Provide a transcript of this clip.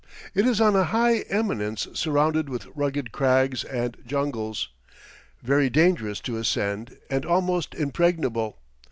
It is on a high eminence surrounded with rugged crags and jungles, very dangerous to ascend and almost impregnable.